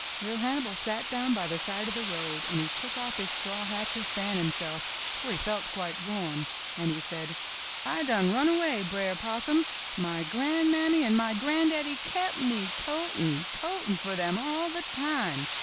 Li'r Hannibal sat down by the side of the road and he took off his straw hat to fan himself, for he felt quite warm, and he said: '*I done run away, Br'er Possum. My gran'mammy and my gran'daddy kep' me to tin', totin' for them all the time.